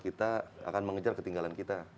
kita akan mengejar ketinggalan kita